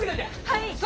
はい。